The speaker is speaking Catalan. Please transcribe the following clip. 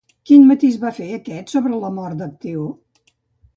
Quin matís va fer aquest sobre la mort d'Acteó?